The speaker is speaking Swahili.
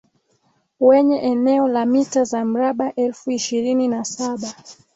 wenye eneo la mita za mraba elfu ishirini na saba